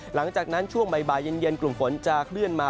หลังจากนั้นช่วงบ่ายเย็นกลุ่มฝนจะเคลื่อนมา